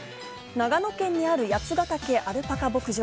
長野県にある八ヶ岳アルパカ牧場。